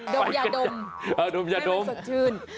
ดมอย่าดมให้มันสดชื่น